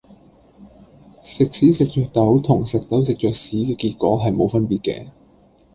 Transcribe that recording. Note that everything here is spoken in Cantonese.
食屎食著豆同食豆食著屎嘅結果係冇分別嘅